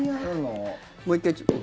もう１回、ちょっと。